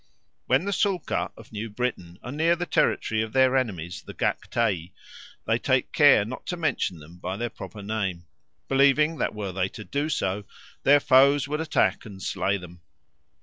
When the Sulka of New Britain are near the territory of their enemies the Gaktei, they take care not to mention them by their proper name, believing that were they to do so, their foes would attack and slay them.